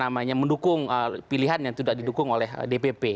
mendukung pilihan yang tidak didukung oleh dpp